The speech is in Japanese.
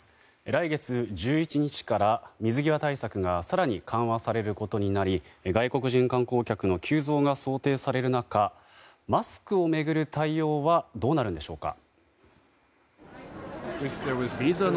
来月１１日から水際対策が更に緩和されることになり外国人観光客の急増が想定される中マスクを巡る対応はどうなるんでしょうか。